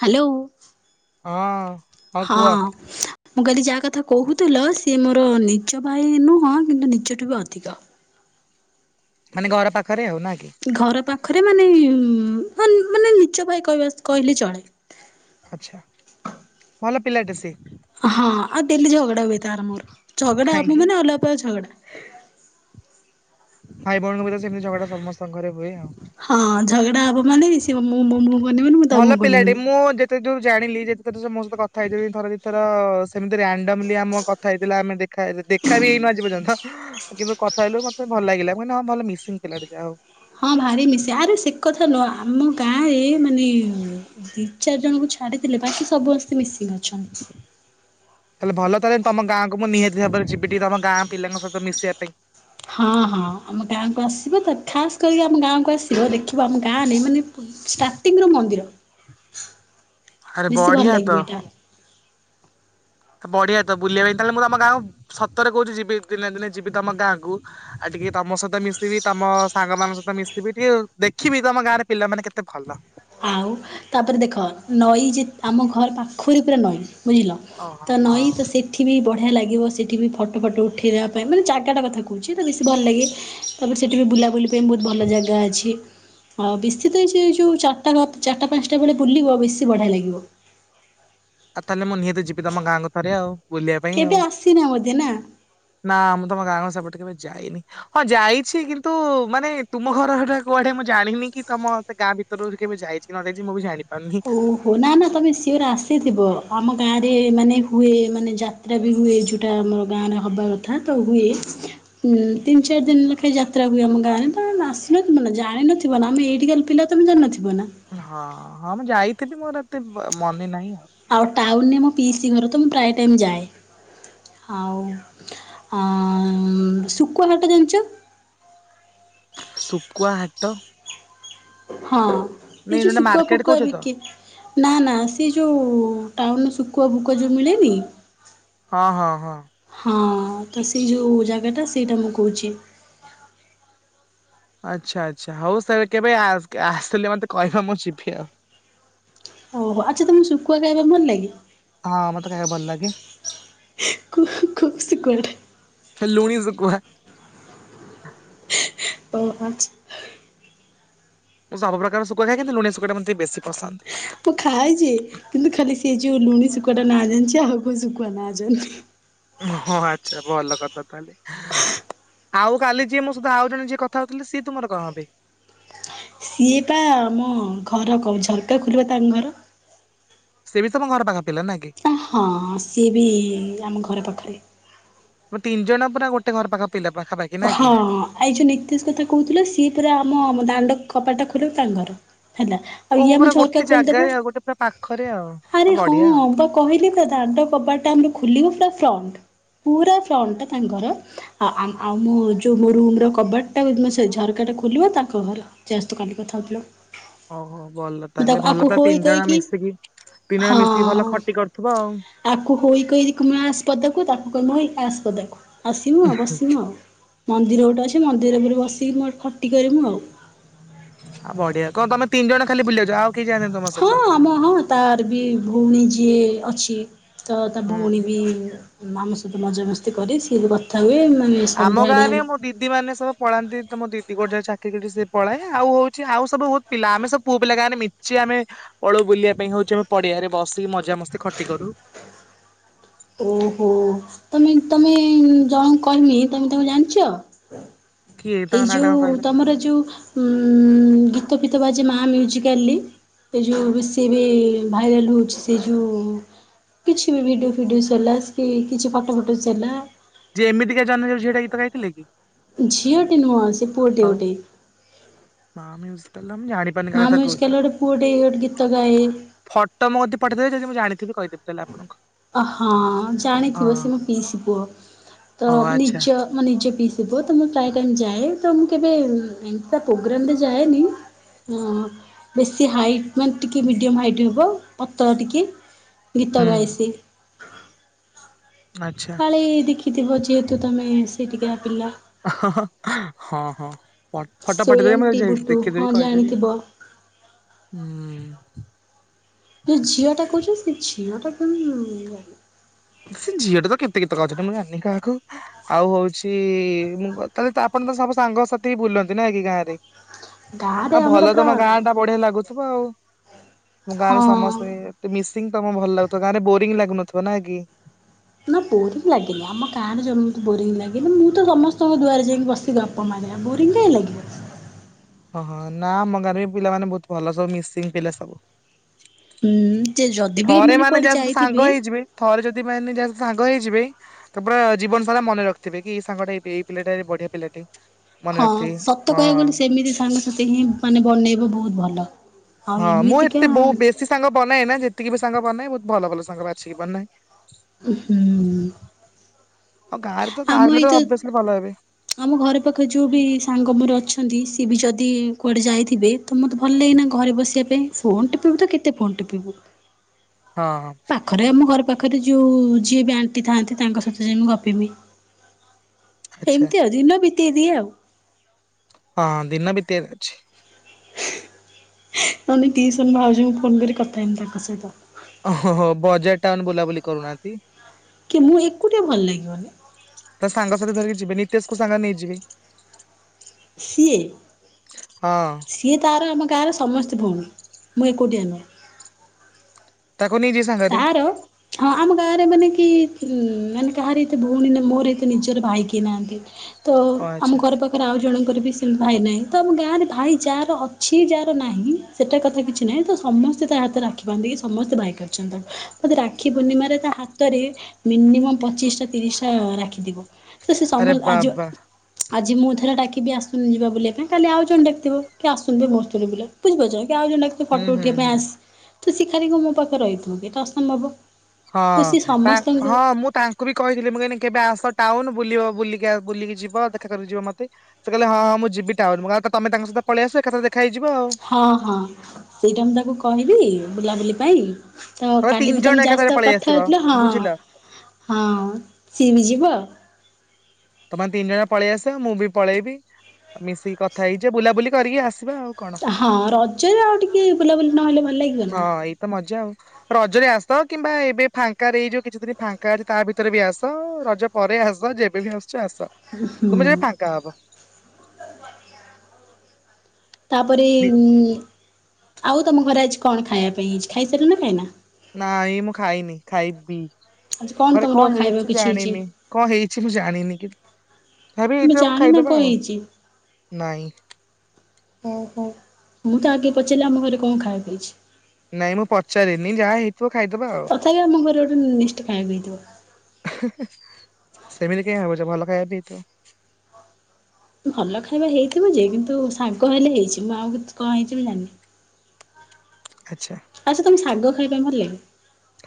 Hello. ହଁ। ହଁ ମୁଁ କଲିି ଯା କଥା କହୁଥିଲ ସିଏ ମୋର ନିଜ ଭାଇ ନୁହଁ କିନ୍ତୁ ନିଜଠୁ ବି ଅଧିକ। ମାନେ ଘର ପାଖରେ ହଉ ନାଇ। ଘର ପାଖରେ ମାନେ ମାନେ ନିଚ ଭାଇ କହିବା କହିଲେ ଚଳେ। ଆଛା। ଭଲ ପିଲାଟେ ସେ। ହଁ ଆଉ ଡେଲି ଝଗଡା ହୁଏ। ତରମୋର। ଝଗଡା ଆପ କାହିଁକି ମାନେ ଅଲାପ ଝଗଡା। ଭାଇ ବଣ ସେମତି ଝଗଡ ଟା ସମସ୍ତଙ୍କ ଘରେ ହୁଏ ହଁ ଆଉ। ଝଗଡା ହବ ମାନେ ସିଏ ମୋ ମୁଁ-ମୁଁ-ମୁଁ ଅନେଇବେନି ମୁଁ ତା ମୁହଁ କୁ ଅନେଇବିନି। ଯୋଉ ଜାଣିଲି ଯେତଥ ସମସ୍ତତ କଥା ହେଇଥିଲ। ଥରେ ଦୁଇଥର ସେମିତି ରାଣ୍ଡମଲି ଆମ କଥା ହେଇଥିଲା ଆମେ ଦେଖା ଦେଖା ବି ହେଇନ ଆଜି ପର୍ଯ୍ୟନ୍ତ କିନ୍ତୁ କଥା ହେଲୁ ମତେ ଭଲ ଲାଗିଲା। କେ ହଁ ଭଲ ମିସିଂ ଥିଲା ଟେ ଯାହା ଆଉ ହଁ ଭାରି ମିଶି ଆରେ ସେ କଥା ନୁହଁ। ଆମ ଗାଁରେ ମାନେ ଦିଚାରିଜଣଙ୍କୁ ଛାଡ଼ିଥିଲେ। ବାକି ସବୁ ମିସିଂ ଅଛନ୍ତି। ତାହେଲେ ଭଲ ତାହଲେ ତମ ଗାଁକୁ ମୁଁ ନିହାତି ଭାବରେ ଯିବି, ଟିକେ ତମ ଗାଁ ପିଲାଙ୍କ ସହିତ ମିଶିବା ପାଇଁ। ହଁ ହଁ ଆମ ଗାଁକୁ ଆସିବ, ତ ଖାସ କରିକି ଆମ ଗାଁକୁ ଆସିବ ଦେଖିବ ଆମ ଗାଁ ରେ ମାନେ ଷ୍ଟାର୍ଟିଂ ର ମନ୍ଦିର ଆରେ ବେଶୀ ଭଲ ବଢିଆ ଲାଗିବ ତ ଏଇଟା। ବଢିଆ ତ ବୁଲିବା ପାଇଁ ତାହେଲେ ମୁଁ ତମ ଗାଁ ସତରେ କହୁଛି ଯିବି। ଦିନେ ଦିନେ ଯିବି ତମ ଗାଁ କୁ, ଆଉ ଟିକେ ତମ ସହିତ ମିଶିବି। ତମ ସାଙ୍ଗ ମାନଙ୍କ ସହିତ ମିଶିବି। ଟିକେ ଦେଖିବି ତମ ଗାଁରେ ପିଲା ମାନେ କେତେ ଭଲ। ଆଉ ତାପରେ ଦେଖ ନଈ ଯେ ଆମ ଘର ପାଖରେ ପୁରା ନଈ ବୁଝିଲ ଓହୋ ତ ହଁ ନଈ ତ ସେଠି ବି ବଢିଆ ହେଁ ଲାଗିବ ସେଠି ବି ଫଟୋ ଫଟୋ ଉଠେଇବା ପାଇଁ ମାନେ ଜାଗାଟା କଥା କହୁଛି। ତ ବେଶୀ ଭଲ ଲାଗେ। ତା ପରେ ସେଠୀ ବୁଲାବୁଲି ପାଇଁ ବହୁତ ଭଲ ଜାଗା ଅଛି। ଆଉ ବିସିତ ହେଇଛି ଯୋଉ ଚାରିଟା ଚାରିଟା ପାଞ୍ଚଟା ବେଳେ ବୁଲିବ ବେଶୀ ବଢି ଲାଗବ। ଆଉ ତାହେଲେ ମୁଁ ନିହାତି ଯିବି ତମ ଗାଁଙ୍କ ଥରେ ଆଉ ବୁଲିବା ପାଇଁ କେବେ ଆଉ, ଆସିନା ବୋଧେ ନା? ନା ମୁ ତମ ଗାଁ ଗ ସେପଟେ କେବେ ଯାଇନି, ହଁ ଯାଇଛି। କିନ୍ତୁ ମାନେ ତୁମ ଘର ସେଟା କୁଆଡେ ମୁଁ ଜାଣିନି କି ତମ ସେ ଗାଁ ଭିତରୁ କେବେ, ଯାଇଛି ନ ଯାଇଛି ମୁଁ ବି ଜାଣିି- ଓହୋ ନା ନା ତମେ ସିଓର ଆସ ଥିବ। ଆମ ଗାଁରେ ମାନେ ହୁଏ ମାନେ ଯାତ୍ରା ବି ହୁଏ। ଯେଉଁଟା ଆମର ଗାଁରେ ହବା କଥା ତ ହୁଏ। ତିନି ଚାରି ଦିନ ଲେଖାଏଁ ଯାତ୍ରା ହୁଏ ଆମ ଗାଁରେ ତେ ଆସୁଥୁ ମାନେ ଜାଣିନଥିବ ମାନେ ଆମେ ଏଇଠିକ ଗାଲି ପିଲା ତମେ ଜାଣିନଥିବ ନା ହଁ ହଁ ମୁଁ ଯାଇ ଥିବି। ମୋର ଏତେ ମନେ ନାହିଁ ଆଉ ଆଉ ଟାଉନରେ ମୋ ପିଇସି ଘର ତ ମୁଁ ପ୍ରାୟ ଟାଇମ ଯାଏ, ଆଉ ଶକୁଆହାଟ ଜାଣିଛ। ଶୁଖୁଆ ହାଟ ହଁ ଏଇ ନାଇଁ ଯୋଉ ଯୋଉଟା ଶୁଖୁଆ ମାର୍କେଟ ଫୁକୁଆ କହୁଛ ତ ବିକେ, ନା ନା ସେ ଯୋଉ ଟାଉନ ଭୋକ ଭୋକ ଯେଉଁ ମିଳେନି ହଁ ହଁ ହଁ ହଁ ତ ସେଇ ଯୋଉ ଜାଗାଟା ସେଇଟା ମୁଁ କହୁଛି। ଆଚ୍ଛା ଆଚ୍ଛା ହଉ ସେ କେବେ ଆସିଲେ ମତେ କହିବ ମୁଁ ଯିବି ଆଉ ଓହୋ ଆଚ୍ଛା ତମକୁ ଶୁଖୁଆ ଖାଇବା ଭଲ ଲାଗେ, ହଁ ମତେ ଖାଇବାକୁ ଭଲ ଲାଗେ। କୁ-କୁ ଶୁଖୁଆଟା। କୁହା ଅ ଆଞ୍ଚ୍ ମୁଁ ସବୁ ପ୍ରକାର ଶୁଖୁଆ ଖାଏ। କିିୁନ୍ତୁ ଲୁଣୀ ଶୁଖୁଆଟା ମୋତେ ଟିକେ ବେଶି ମୁଁ ଖାଏଛି କିନ୍ତୁ ଖାଲି ସିଏ ଯୋ ଲୁଣି ଶୁଖୁଟା ନା ଜାଣିଛି ଆ କଉ ଶୁଖୁ ବନାଜନ୍ତି ହଁ ଆଚ୍ଛା ଭଲ କଥା। ଆଉ କାଲି ଯିଏ ମୋ ସହିତ ଆଉ ଜଣେ ଯିଏ କଥା ହଉଥିଲେ ସିଏ ତୁମର କଣ ହେବେ? ସିଏ ବା ଆମ ଘର କ ଝରକା ଖୋଲିବା ତାଙ୍କ ଘର। ସେ ବି ତମ ଘର ପାଖ ପିଲା ନା କି? ଆ ହଁ ସିଏ ବି-ଇ-ଇ ଆମ ଘର ପାଖ ମ ତିନି ଜଣ ପରା ଗୋଟେ ଘର ପାଖା ପା ହଁ ଏଇ ଯୋଉ ନିତିଶ କଥା କହୁଥିଲେ ସିଏ ପୁରା ଆମମ ଦାଣ୍ଡ କବାଟା ଖୋଲିବ ତାଙ୍କ ଘର। ହେଲା ଆଉ ଓ ଇଏ ମୁ ପୁରା ଝରକା ଗୋଟେ ଜାଗାରେ ଖୋଲିଦେବେ, ଆଉ ଗୋଟେ ପୁରା ପାଖରେ ଆଉ ଆଉ ଆରେ ହଁ ବଢିଆ ଆଉ। ବା କହିଲି ପରା ଦାଣ୍ଡ କବାଟ ଆମର ଖୁଲିବ ପୁରା ଫଣ୍ଟ୍ ପୁରା ଫ୍ରଣ୍ଟ୍ ତାଙ୍କ ଘର। ଆ ଆମ୍ ଆଉ ମୁଁ ଯେଉଁ ମୋ ରୁମ୍ର କବାଟା ମ ସେ ଝରକାଟା ଖୋଲିବ ତାଙ୍କ ଘର ଜଷ୍ଟ୍ କାଲି କଥା ହେଉଥିଲୁ। ଓହୋ ଭଲ ମୁ ତାହେଲେ ତାକୁ ଭଲ ଆକୁ ତ ହୋଇ ତିନି ଜଣ କହିକି ମିଶିକି ତିନି ଜଣ ମିଶିକି ଭଲ ଖଟି କରୁଥିବ ଆଉ। ହଁ-ଅ-ଅ-ଅ ଆକୁ ହୋଇ କହିକି କୁମସିପଦକୁ ତାକୁ କମଇ ଆସ ଦେଖ ଆସିମୁ ଆଉ ବସିମୁ ଆଉ। ମନ୍ଦିର ଗୋଟେ ଅଛି ମନ୍ଦିର ଉପରେ ବସିକି ମ ଖଟି କରିମୁ ଆଉ। ହଁ ବଢିଆ କଣ ତମେ ତିନିଜଣ ଖାଲି ବୁଲିବାକୁ ଯାଅ ଆଉ କେହି ଯାଆନ୍ତିନି ତମ ହଁ ସହିତ? ଆମ ହଁ ତାର ବି ଭଉଣୀ ଯିଏ-ଏ-ଏ ଅଛି ତ ତା ହୁଁ ଭଉଣି ବି ମାମୁଁ ସହିତ ମଜାମସ୍ତି କରି ସିଏ କଥା ହୁଏ। ମାନେ ଆମ ସନ୍ଧ୍ୟାବେଳେ ଗାଁରେ ମୋ ଦିଦି ମାନେ ସବୁ ପଳାନ୍ତି ତ ମୋ ଦି ଦି ଗୋଟେ ଚାକିରି କିି ସେ ପଳାଏ। ଆଉ ହଉଛି ଆଉ ସବୁ ବହୁତ ପିଲା ଆମେ ସବୁ ପୁଅ ପିଲା ଗାଁରେ ମିଚେ ଆମେ ପଳଉ ବୁଲିବା ପାଇଁ ହଉଛି ଆମେ ପଡିଆରେ ବସି ମଜାମସ୍ତି ଖଟି କରୁ। ଓହୋ ତମେ ତମେ ଜଣ କର୍ମୀ ତମେ ତାକୁ ଜାଣିଛ? କିଏ ଏଇ ତାଙ୍କ ନାଁ ଟା କଣ ଯୋଉ କହିଲ ତମର ଯୋଉ ଉ-ଉ-ଉ-ଉ ଗୀତ ଗିତ ଫିତ ବାଯେ ମାଆ ମ୍ୟୁଜିକଆଲଲି। ଏ ଯେଉଁ ସିଏ ବି ଭାଇରାଲ୍ ହେଉଛି ସେ ଯେଉଁ-ଉ-ଉ କିଛି ବି ଭିଡ଼ିଓ ଫିଡ଼ିଓସ୍ ହେଲା, କି କିଛି ଫଟୋ ଫଟୋସ୍ ହେଲା ଯିଏ ଏମିତିକା ଜହ୍ନ ଯୋଉ ଝିଅଟା ଗୀତ ଗାଇଥିଲେ କି? ଝିଅଟେ ନୁଅ ସେ ପୁଅଟେ ହଉ ଗୋଟେ। ନା ମୁ ଜାଣିପାରୁନି ମା କାହା କଥା ମ୍ୟୁଜିକାଲ କହୁଛ। ଗୋଟେ ପୁଅଟେ ଗୋଟେ ଗୀତ ଗାଏ ଫଟୋ ମୁଁ ଯଦି ପଠେଇଦେବି ଯଦି ମୁ ଜାଣି ତେବେ କହି ଅ ହଁ ହଁ ଜାଣିଥିବ ସେ ମୋ ପିଇସି ପୁଅ। ତ ହଉ ମୋ ଆଚ୍ଛା ନିଜ ମୋ ନିଜ ପିଇସି ପୁଅ ତ ମୁଁ ପ୍ରାୟ ଟାଇମ୍ ଯାଏ। ତ ମୁଁ କେବେ ଏତି ପ୍ରୋଗ୍ରାମରେ ଯାଏନି। ହୁଁ। ବେଶୀ ହାଇଟ୍ ମାନେ ଟିକେ ମିଡ଼ିୟମ୍ ହାଇଟ୍ ହବ ପତ୍ର ଟିକେ ଗୀତ ହୁଁ ଗାଏ ସିଏ। [unintelligible] ଆଚ୍ଛା କାଳେ ଦେଖିଥିବ ଯେହେତୁ ତମେ ସେଠିକିଆ ପିଲା- ହଁ ହଁ। ଫ ଫଟ ପଠେଇଦେବ ଆମ ସୋୟମଟି ଯେ ବୁଟୁ ହଁ ଦେଖିଦେବି କହିଦେବି ଜାଣିଥିବ। ଆଉ। ହୁଁ ହୁଁ। ତୁ ଝିଅ ଟା କହୁଚ। ଝିଅ ଟା କିଏ ମୁଁ ଜାଣନି। ସେ ଝିଅ ଟା ତ କେ ତେ ଗୀତ ଗାଉଚନ୍ତି। ମୁଁ ଜାଣିନି କାହାକୁ, ଆଉ ହଉଚି ମୁଁ ତାହେଲେ ଆପଣ ତ ସବୁ ସାଙ୍ଗ ସାଥି ହିଁ ବୁଲନ୍ତି। ଦେ ନାଇ କି ଗାଁ ରେ, ଗାଁରେ ହଁ ଆମର ଭଲ ପୁରା ତମ ଗାଁ ଟା ବଢିଆ ଲାଗୁଥିବ ଆଉ। ଦେ ଅ ଗାଁରେ ହଁ ସମସ୍ତେ ତି ମିଶ ଫିନ୍ ଟା ତମକୁ ଭଲ ଲାଗିଥିବ। ଗାଁ ରେ ବୋରିଂ ଲାଗୁନଥିବ ନା କି? ନା ବୋରିଂ ଲାଗେନି। ଆମ ଗାଁରେ ଯେମିତି ବୋରିଂ ଲାଗେନି। ମୁଁ ତ ସମସ୍ତଙ୍କ ଦୁଆରେ ଯାଇକି ବସିିବି ଅପ [unintelligible] ବୋରିଂ କାଇଁ ଲାଗିବ? ଅ ହ। ନା ଆମ ଘରେ ପିଲାମାନେ ବହୁତ ଭଲ ସବୁ ମିସିଙ୍ଗ ପିଲା ସବୁ। ହୁଁ। ଯେ ଯଦି ବି ଥରେ ଏମାନେ ମାନେ କୁଆଡେ ଏମତିଆ ସବୁ ଯାଇଥିବେ ସାଙ୍ଗ ହେଇଯିବେ, ଥରେ ଯଦି ମାନେ ଯାହା ସହ ସାଙ୍ଗ ହେଇଯିବେ ତ ପରା ଜୀବନ ସାରା ମନେ ରଖିଥିବେ, କି ସାଙ୍ଗ ଟା ଏଇ ପି ପିଲାଟା ଏ ବଢିଆ ପିଲାଟି। ହଁ ସତ କହିବାକୁ ଗଲେ ସେମିତି ସାଙ୍ଗସଥି ହିଁ ମାନେ ବନେଇବ ବହୁତ ଭଲ। ଆଉ ହଁ, ମୁଁ ଏମିତିକା ଏତେ ବହୁ ହୁଁ ବେଶୀ ସାଙ୍ଗ ବନାଏନା, ଯେତିକି ବି ସାଙ୍ଗ ବନାଏ ବହୁ ଭଲ ଭଲ ସାଙ୍ଗରେ ଆଛିିକିି ବନାଏ। ହୁଁ। ଆଉ ଗାଁରେ ତ ଗାଁ ଆମ ପିଲା ତ ଏଇତ, ଅଭିଅସଲି ଭଲ ହେବେ। ଆମ ଘର ପାଖରେ ଯୋଉ ବି ସାଙ୍ଗ ମର ଅଛ ନ୍ତି, ସେ ବି ଯଦି କୁଆଡେ ଯାଇଥିବେ, ତ ମତେ ଭଲ ଲାଜେନା ଘରେ ବସିବା ପାଇଁ, ଫୋନ୍ ଟିପିବୁ ଯେ କେତେ ଫୋନ୍ ଟିପିବୁ? ହଁ ପାଖରେ ଆମ ଘର ପାଖ ଖରେ ଯଉ ଯିଏ ବି ଆଣ୍ଟି ଥାଆନ୍ତି, ତାଙ୍କ ସହିତ ଯାଇ ମୁ ଗପିମି ଆଚ୍ଛା ଏମତି ଅଜିିନ ବି କିଏ ଦିଏ ଆଉ ହଁ ଦିନ ବିତିଆର ଅଛି। ଲେ ଟିଉସନ ଭାଉଜଙ୍କୁ ଫୋନ କରି କଥା ହେଇନି ତାଙ୍କ ସହିତ । ଅ ହ, ହ, ବଜାର ଟାଉନ ବୁଲାବୁଲି କରୁନାହାନ୍ତି। କି ମୁଁ ଏକୁଟା ଭଲ ଲାଗେ ମାନେ ତା ସାଙ୍ଗସାଥି ଧରିକି ଯିବେ ନିତେଶ କ ସାଙ୍ଗ ନେଇଯିବେ ସିଏ ହଁ ସିଏ ତାର ଆମ ଗାଁରେ ସମସ୍ତେ [unintelligible] ମୁଁ ଏକୁଟିଆ ନୁହେଁ। ତାକୁ ନେଇଯିବେ ସାଙ୍ଗରେ ତାର ଆମ ଗାଁରେ ମାନେ କି ମାନେ କାହାରି ଏତେ ଭଉଣୀ ମୋର ଏତେ ନିଜର ଭାଇକିଏ ନାହାନ୍ତି। ତ ଓ ଆମ ଆଚ୍ଛା। ଘରେ ପାଖରେ ଆଉ ଜଣେ ଙ୍କରେ ବି ସେମିତି ଭାଇ ନାହିଁ ତ ଆମ ଗାଁରେ ଭାଇ ଯାହାର ଅଛି ଯାହାର ନାହିଁ ସେଟା କଥା କିଛି ନାହିଁ ତ ସମସ୍ତେ ତା ହାତରେ ରାକ୍ଷୀବାନ୍ଧିକି ସମସ୍ତେ ଭାଇ କରନ୍ତି। ମୋତେ ରାକ୍ଷୀ ପୂର୍ଣ୍ଣିମାରେ ତା ହାତରେ ମିନିମମ୍ ପଚିଶ ଟା ତିରିଶ ଟା ରାକ୍ଷୀ ଥିବ ସେ ସେ ଆରେ ସମୟ ବାବା ଆଜି ଆଜି ମୁଁ ଥରେ ଡାକିବି ଆସୁନୁ ଯିବା ବୁଲିବା ପାଇଁ କାଲି ଆଉଜଣେ ଡାିକିଥିବ କି ଆସୁନୁ ମୋର ତୋର ବୁଲିଯିବା ବୁଝିପାରୁଛ। ଆଉ ଜ ହୁଁ ଫଟୋ ହୁଁ ଉଠିବା ପାଇଁ ହୁଁ ଆସ ତୁ ଶିଏଖାଲି କହିବ ମୋ ପାଖ ରହିବୁ ଏଟା ଅସମ୍ଭବ ତ ସିଏ ହଁ ସମସ୍ତଙ୍କୁ ହଁ ମୁଁ ତାଙ୍କୁ ବି କହିଥିଲି ମୁଁ କହି କେବେ ଆସ ଟାଉନ ବୁ ବୁଲିକି ଯ ଦେଖା କର ଯିବ ମତେ ସେ କହିଲେ ହଁ ମୁଁ ଯିାଉନ ମୁ ତମେ ତାଙ୍କ ସତ ପଳେଇ ଆସଏକାଥରେ ଦେଖାାହେଇଜି , ହଁ ହଁ ସେଇଟା ମୁଁ ତାକୁ କହିବି ବୁଲାବୁଲି ପାଇଁ ତ କାଲି ତିନି ବି ଜଣ ତମେ ଏକାଥରେ ଯାସ୍ତ ପଳେଇ କଥା ଆସିବ ହଉଥିଲ ହଁ ବୁଝିଲ ହଁ ସିଏ ବି ଯିବ ତମେ ତିନି ଜଣ ପଳେଇ ଆସିବ ମୁଁ ବି ପଳେଇବି ମିଶିକି କଥା ହେଇଛ ବୁଲାବୁଲି କରିକି ଆସିବ ହଁ ରଜରେ ଆଉ ଟିକେ ବୁଲାବୁଲି ନହେଲେ ଭଲ ଲାଗିବ ନା ହଁ ଏଇତ ମଜା ଆଉ। ରଜରେ ଆସ କିମ୍ବା ଏବେ ଫାଙ୍କା ଯୋଉ କିଛି ଦିନ ଫାଙ୍କା ଅଛି ତା ଭିତରେ ବି ଆସ ରଜ ପରେ ଆସ ଯେବେବ ଆସ ଚାସ ତୁମେ ହୁଁ ଯବେ ଫାଙ୍କା ହବ [inaudible] ତାପରେ ଉ ଆଉ ତମ ଘରେ ଆଜି କଣ ଖାଇବା ପାଇଁ ହେଇଚି ଖାଇସାରିଲଣି ନା ଖାଇନା ନା ଏଇ ମୁଁ ଖାଇନି ଖାଇବି ଆଜି ଘରେ ତମର କଣ ଖାଇବାକୁ ହେଇଛି କିଛି ଜାଣିନି କଣ ହେଇଛି ମୁଁ ଜାଣିନି କିନ୍ତୁ ଯାହାବି ଆମେ ହେଇଥିବ ଜାଣିନା ଖାଇଦବା କଣ ଆଉ ନାଇଁ ଓ ହୋ ମୁଁ ତ ଆଗେ ପଚାରିଲି ଆମ ଘରେ କଣ ଖାଇବା ହେଇଛି। ନାଇଁ ମୁଁ ପଚାରିନି ଯାହା ହେଇ ତଥାପି ଆମ ଘରେ ଗୋଟେ ନିଶ୍ଚିନ୍ତ ଖାଇବାକୁ ହେଇଥିବ ସେମିଲତି କିଆଁ ଭାବୁଚ ଭଲ ଖାଇବା ବି ହେଇଥିବ। ଭଲ ଖାଇବା ହେଇଥିବ ଯେ କିନ୍ତୁ ସାଙ୍ଗ ହେଲେ ହେଇଛି ମୁଁ ଆଉ କି କଣ ହେଇଥିବି ଜାଣିନି। ଆଚଛା। ଆଛା ତମେ ଶାଗ ଖାଇବା ଭଲଲାଗେ।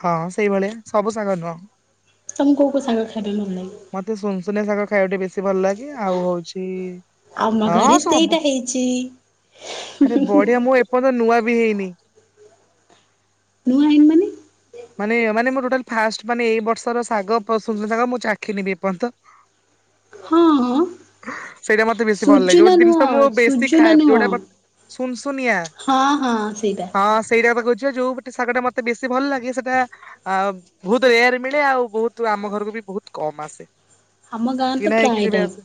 ହଁ ସେଇଭଳିଆ ସବୁ ସାଗ ନୁହଁ। ତମ କୋଉ କଉ ସାାଗର ଖାଇବେ ମ ଲ ଖାଇାଉ ବ ଭଲ ଲାଗେ ଆଉ ହଉଛି ଆମ ଘରେ ହଁ ସବୁ ସେଇଟା ହେଇଛି। ଆରେ ବଢିଆ ମୁଁ ଏପର୍ଯ୍ୟନ୍ତ ନୂଆ ବି ହେଇନି ନୁ ଆଇନ ମନି ମାନେ ମାନେ ମ ଟୋଟାଲ ଫାଷ୍ଟ ମାନେ ଏଇ ବର୍ଷର ଶାଗାଗ ମୁଁ ଚାଖୀ ନେବି ଏପର୍ଯ୍ୟନ୍ତ ହଁ ସେଇଟା ମତେ ବେଶୀ ଭଲ ଲାଗେ ଯୋଉ ସୁଜୁନା ନୁହଁ ଜିନିଷ ମୁଁ ବେଶୀ ସୁଜୁନା ଖାଏବ ନୁହଁ। ଯୋଉଟା ସୁନସୁନିଆ ହଁ ହଁ ସେଇଟା ହଁ ସେଇଟା ଯୋଉଟୋଗ ଟା ମତେ ବେଶୀ ଭଲ ଲାଗେ ସେ ଆ ବହୁତ ରେୟାର ମିଳେ ଆଉ ବହୁତ ଆମ ଘରକୁ ବି ବହୁତ କମ ଆସେ ଆମ ଗାତ କିଣା ହେଇକି ଯେବେ ପ୍ରାୟଟାଇ ଆସେ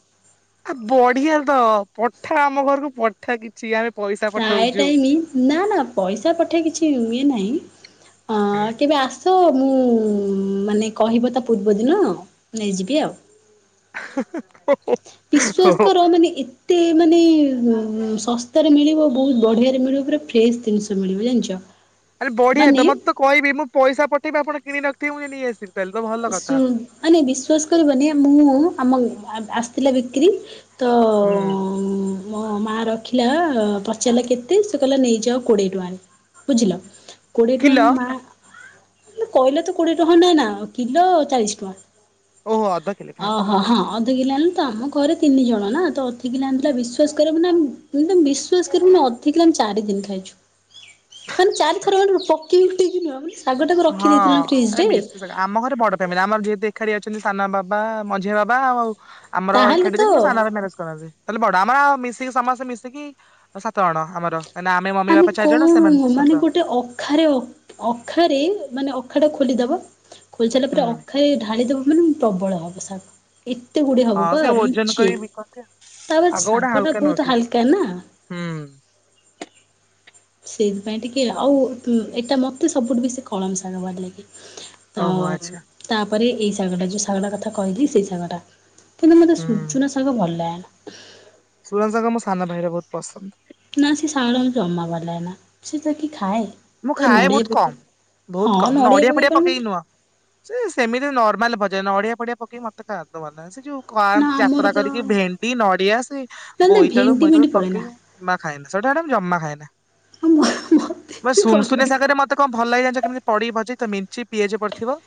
ଆ ବଢିଆ ତ ପଠା ଆମ ଘରକୁ ପଠା କିଛି ଆମେ ପଇସା ପଠଉଛୁ। ଟାଇ ନା ନା ପଇସା ପଠେଇ କିଛି ଏ ନାହିଁ ହଁ କେବେ ଆସ ତ ମୁଁ ମାନେ କହିବ ତା ପୂର୍ବଦିନ ନେଇଯିବି ଆଉ [unintelligible] ହୋ, ବିଶ୍ଵାସ ହୋ। କର ମାନେ ଏତେ ମାନେ ଶସ୍ତାରେ ମିଳିବ ବହୁତ ବଢିଆରେ ମିଳିବ ପା ଫ୍ରେଶ ଜିନିଷ ମିଳିବ ଜାଣିଛ ଆରେ ବଢିଆ ମାନେ ତ ମତେ ତ କହିବି ମୁଁ ପଇସା ପ ବି ଆପଣ କିଣ ନଥିବ ମୁଁ ନେଇ ଆସିବି ତାହେଲେ ତ ଭଲ କଥା। ମାନେ ବିଶ୍ଵାସ କରିବନି ମୁଁ ହଉ ଆମକୁ ଆସିଥିଲା ବିକ୍ରି ତ ହୁଁ ମୋ ମା ରଖିଲା ପଚାରିଲା କେତେ ସେ କହିଲା ନେଇଯାଅ କୋଡିଏ ଟଙ୍କାରେ ବୁଝିଲ କୋଡ଼ିଏ ଟୁାର କିଲ ମୁ ମା କହିଲେ ତ କୋଡିଏ ରହ ନାଁ ନା କିଲୋ ଚାଳିଶ ଓହୋ ଅଧ କିଲେ ଟଙ୍କା ହାଫ୍ କିଲ ଓହୋ ହଁ ଅଧ କିଲଣି ତ ଆମ ଘରେ ତିନି ଜଣ ନା ତ ଅଧିକ ଲ ଆଣିଥିଲା ବିଶ୍ାସ କରିବ ମାନେ ବିଶ୍ଵାସ କରିବୁେ ଅଧିକ ଆମେ ଚାରି ଦିନ ଖାଇଛୁ ମାନେ ଚାରି ଥର ପକେଇ ଉିକି ନୁହଁ ଶାଗଟାକୁ ହଁ ରଖିଦେଇଥିଲା ଆରେ ଫ୍ରିଜରେ ବେଶୀ ଆମ ଘରେ ବଡ ଫାମିଲି ଆମର ଯେହେତୁ ଏକାଠି ଅଛନ୍ତି ସାନ ବାବା ମଝି ବାବା ଆଉ ଆମର ତାହେଲେ ତ ଖେଡିଦେି ମୁଁ ସାନ ଭ ମ୍ୟାନେଜ୍ କରନ୍ତି ତାହେଲେ ବଡ ଆମର ମିଶିକି ସମସ୍ତେ ମିଶିକି ସାତ ଜଣ ଆମର କାହିଁକିନା ଆମେ ମମି ମାନେ ବାପା ଚାରି ଜଣ କଣ ସେମାନେ ସାତ ମାନେ ଜଣ ଗୋଟେ ଅଖାରେ ଅଖାରେ ମାନେ ଅଖା ଟା ଖୋଲିଦବ ଖୋଲଚାିଲା ହୁଁ ପରେ ଅଖାରେ ଢାଳି ଦେବୁ ମାନେଁ ପ୍ରବଳ ହେବ ସାର୍ ଏତେ ଗୁଡଏ ହବ ହଁ ବା ସେ ଓଜନ ମିଛି କରିକି ବିକନ୍ତି ଆଉ ତାପରେ ଗୁଡା ଶାଗ ଟା ହାଲକା ନୁହଁ ବହୁତ କି ହାଲକା ନା ହୁଁ। ସେଇଥିପାଇଁ ଟିକେ ଆଉ ଏଇଟା ମତେ ସବୁଠୁ ବେଶି କଳମ ଶାଗ ବାଡ ଲାଗ କି ତ ଓହୋ ଆଚ୍ଛା ତା ପରେ ଏହିଇ ଶାଗଟା ଯେଉଁ ଶାଗଟା କଥା କହିଲି ସେଇ ଶାଗଟା କିନ୍ତୁ ମୋତେ ସୂର୍ଯ୍ୟନା ସାଙ୍ଗ ଭଲ ଲାଗେନ [unintelligible] ସୁୁରନ୍ତ ସାଙ୍କା ମୋ ସାନ ଭାଇରେ ବହୁତ ପସନ୍ଦ ନା ସେ ସାଙ୍ଗଳ ଜମା ବାଲା ନା ସେଟ କି ମୁଁ ଖାଏ ବହୁତ କମ ହଁ ବହୁତ କମ ନଡିଆ ପକେଇ ଫୁଡିଆ କଲେ ମାନେ ପକେଇକି ନୁହଁ ସେ ସେମିତି ନର୍ମାଲ ଭ ଯେ ନଡିଆ ପଡିଆ ପକେଇ ମତେ ଖାଦ ଭଲାଗ ସେୋଉ ନା କରାନ୍ତି ଆମର ଯାତ୍ରା ତ କରିକି ଭେଣ୍ଡି ନଡିଆ ସେ ନା ନା ବୋଇତାଳୁ ଭେଣ୍ଡି ଭେଣ୍ଡି ମୁଇତଳୁ ପଡେନା ପକେଇକି ଜମା ଖାଇନ୍ତି ସେଟା ଆଡେ ଜମା ଖଲା ଆମମ ମ ଶୁି ସାଙ୍ଗରେ ମତେ କଣ ଭଲ ଲାଗିାଣି କେମିତି ପଢିବି ଭି ତ ମିଞ୍ଚି ପିଆଜ ପଡିଥିବ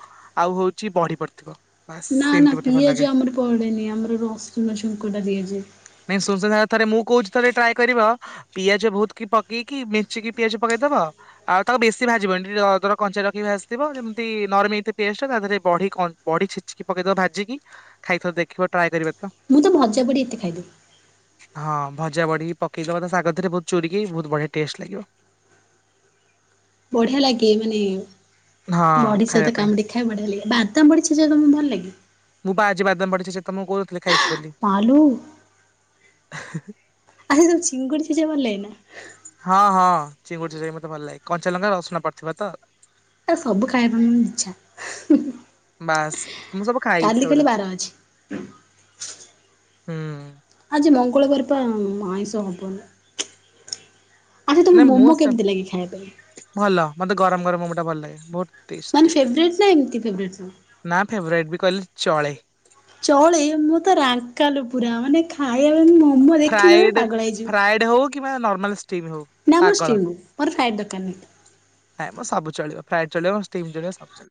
ଆଉ ହଉଛି ବଢି ପଡିଥିବ ବାସ୍ ନା ନା ସେମିତି ମତେ ଭଲ ଲାଗେ। ପିଆଜ ଆମର ପଡେନି ଆମର ରସୁନ ଝୁଙ୍କ ଟା ଦିଆଜ ନାଇଁ ସୁନସୁନିଆ ଶାଗ ଥରେ ମୁଁ କହୁଛି ଟ୍ରାଏ କରିବା ପିଆଜ ବହୁତ କି ପକେଇକି ମିିକି ପିଆଜ ପକେଇଦବ ଆଉ ତାକୁ ବେଶୀ ଭାଜିବନି ଟର କ ରଖି ଭସିଥିବ ଯେମିତି ନରମ ଏ ପେଷ୍ଟ ତା ଦେହରେଢ ବଢି ଛିଚିକି ପକେଇଦବ ଭାଜିକି ଖାଇଥ ଦେଖିବ ଟ୍ରାଏ କରିବା ମୁଁ ତ ଭଜା ପଡ଼ି ଏତେ ଖାଇଦବ ହଁ ଭଜା ବଢିକି ପକେଇଦବା ତା ଶାଗ ରେ ବହୁତ ଚୋରିିକ ବହୁତ ବଢିଆ ଟେଷ୍ଟ ଲାଗିବ ବଢିଆ ଲାଗେ ମାନେ ହଁ ବଡି ଖାଇବା ସେତ ପାଇଁ କାମ ଦ ଦେଖା ବଢିଆ ଲାଗଗେ ବାତା ବଢିଛି ଯ ତମ ଭଲ ଲାଗେ ମୁଁ ବା ଆଜି ବାଦାମ ପଡିଛି ସେ ତ ମୁଁ କହୁଥିଲି ଖାଇଛି ବୋଲି ମାଲୋ ସେ ଚେବ ଲେନା ହଁ ହଁ ଚିଙ୍ଗୁଡିଚ ଯାଇକି ମତେ ଭଲ ଲାଗେ କଞ୍ଚାଲଙ୍କା ରସୁଣ ପଡିଥିବ ତ ଆ ସବୁ ଖାଇବା ପାଇଁ ଇଚଛା ବାସ୍। ମୁଁ ସବୁ ଖାଇଛି କାଲି ସେଗୁଡା କାଲି ବାର ଅଛି ହୁଁ ଆଜି ମଙ୍ଗଳବାର ପା ଆଇଁଷ ହବନ ଆଚ୍ଛା ତମେ ନାଇଁ ମୁଁ ମୋମୋ ସେ କେମିତି ଲାଗି ଖାଇ ପାଇଁ ଭଲ ମତେ ଗରମ ଗରମ ମମ ଟା ଭଲ ଲାଗେ ବହୁତ ମାନେ ଟେଷ୍ଟି ଫେଟ ନା ଏମ ଫ କଲ ଚଳେ ଅନ ହଁ ଇା ବ ମମ ଦେଖି ମେ ପାଗଳ ହେଇଯିବ କି ବା ନର୍ମାଲ ଷ୍ଟିମ୍ ହଉ ପାଗଳ। [unintelligible] ଫ୍ରା ଚଳିବ ଷ୍ଟିମ୍ ଚଳିବ ସବୁ ଚଳିବ।